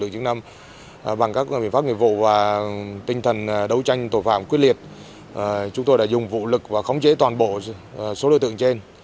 đối tranh tội phạm quyết liệt chúng tôi đã dùng vụ lực và khống chế toàn bộ số đối tượng trên